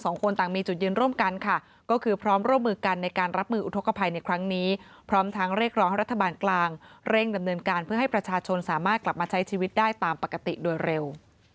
สามารถกลับมาใช้ชีวิตได้ตามปกติโดยเร็ว